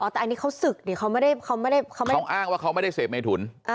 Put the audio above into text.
อ๋อแต่อันนี้เขาศึกเนี่ยเขาไม่ได้เขาอ้างว่าเขาไม่ได้เสพไม่ถุน